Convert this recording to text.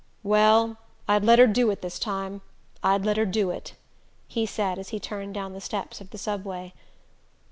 "Well, I'd let her do it this time I'd let her do it," he said as he turned down the steps of the Subway.